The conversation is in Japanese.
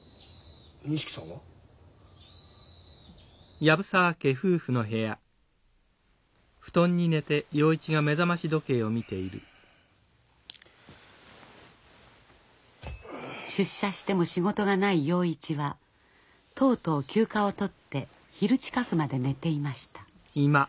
錦さんは？出社しても仕事がない洋一はとうとう休暇をとって昼近くまで寝ていました。